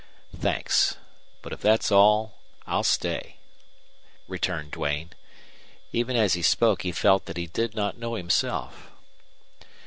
"Thanks. But if that's all I'll stay," returned Duane. Even as he spoke he felt that he did not know himself.